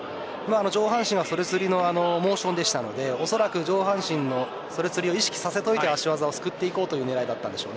上半身は袖釣のモーションでしたのでおそらく上半身の袖釣を意識させておいて足技をすくっていこうという狙いでした。